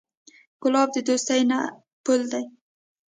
ګلاب د دوستۍ پُل دی.